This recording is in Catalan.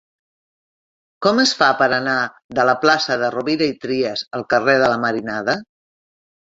Com es fa per anar de la plaça de Rovira i Trias al carrer de la Marinada?